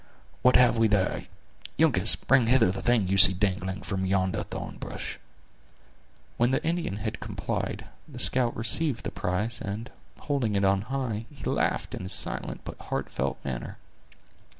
"What have we there? Uncas, bring hither the thing you see dangling from yonder thorn bush." When the Indian had complied, the scout received the prize, and holding it on high, he laughed in his silent but heartfelt manner.